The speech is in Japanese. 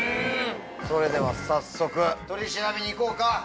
それでは早速取り調べにいこうか。